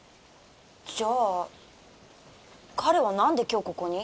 じゃあ彼はなんで今日ここに？